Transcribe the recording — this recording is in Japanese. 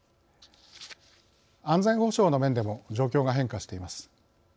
安全保障の面でも状況が変化しています。